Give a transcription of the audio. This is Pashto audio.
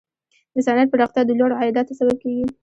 د صنعت پراختیا د لوړو عایداتو سبب کیږي.